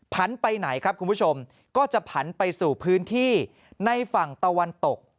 ไปไหนครับคุณผู้ชมก็จะผันไปสู่พื้นที่ในฝั่งตะวันตก